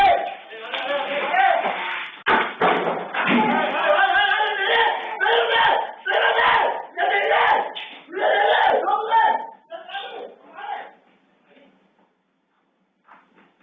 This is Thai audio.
กลับมาแล้ว